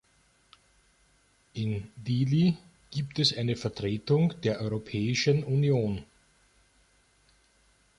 In Dili gibt es eine Vertretung der Europäischen Union.